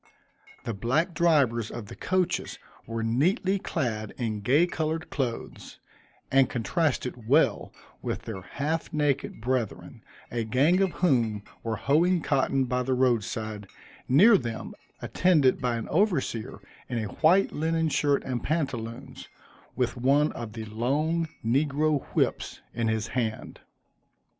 The black drivers of the coaches were neatly clad in gay colored clothes, and contrasted well with their half naked brethren, a gang of whom were hoeing cotton by the road side, near them, attended by an overseer in a white linen shirt and pantaloons, with one of the long negro whips in his hand.